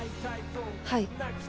はい。